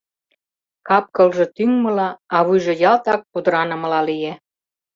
Кап-кылже тӱҥмыла, а вуйжо ялтак пудыранымыла лие.